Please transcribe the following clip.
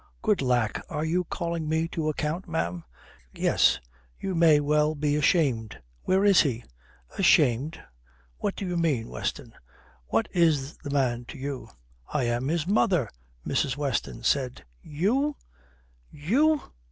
"Good lack, are you calling me to account, ma'am?" "Yes, you may well be ashamed! Where is he?" "Ashamed? What do you mean, Weston? What is the man to you?" "I am his mother," Mrs. Weston said. "You!... You!